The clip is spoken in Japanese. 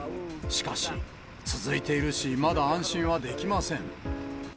しかし、続いているし、まだ安心はできません。